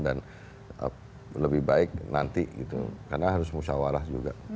dan lebih baik nanti gitu karena harus musyawarah juga